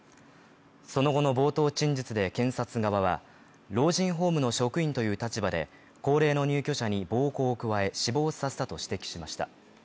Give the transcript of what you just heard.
その後の冒頭陳述で検察側は老人ホームの職員という立場で高齢の入居者に暴行を加え死亡させたと指摘しました。